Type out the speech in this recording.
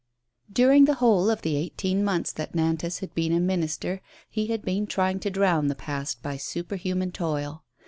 D URING the whole of the eighteen months that Nantas had been a minister he had been trying to drown the past by superhuman toil.